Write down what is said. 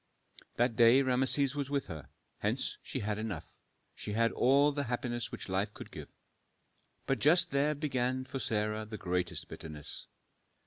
That day Rameses was with her; hence she had enough, she had all the happiness which life could give. But just there began for Sarah the greatest bitterness.